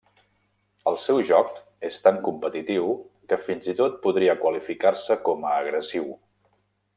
El seu joc és tan competitiu que fins i tot podria qualificar-se com a agressiu.